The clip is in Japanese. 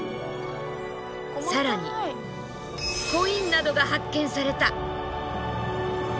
更にコインなどが発見された。